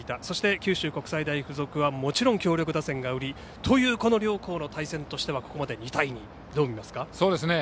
そして九州国際大付属はもちろん強力打線が売りという両校の対戦としてはここまでの２対２をどう見ますか。